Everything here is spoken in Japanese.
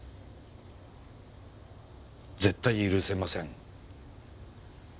絶対に許せません！